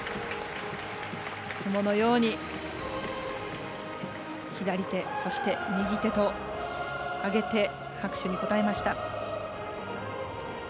いつものように、左手そして右手と上げて拍手に応えました。